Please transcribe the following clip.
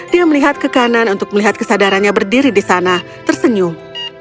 dia melihat ke kanan untuk melihat kesadarannya berdiri di sana tersenyum